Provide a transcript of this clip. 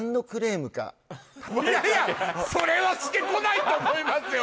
いやいやそれはしてこないと思いますよ